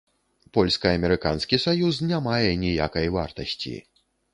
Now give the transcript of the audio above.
Польска-амерыканскі саюз не мае ніякай вартасці.